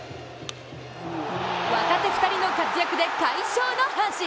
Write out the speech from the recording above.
若手２人の活躍で快勝の阪神。